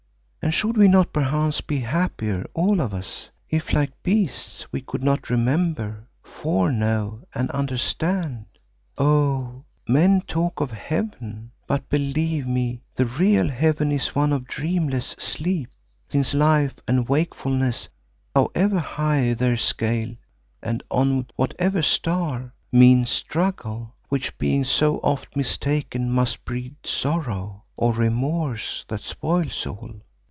And should we not, perchance, be happier, all of us, if like the beasts we could not remember, foreknow and understand? Oh! men talk of Heaven, but believe me, the real Heaven is one of dreamless sleep, since life and wakefulness, however high their scale and on whatever star, mean struggle, which being so oft mistaken, must breed sorrow—or remorse that spoils all.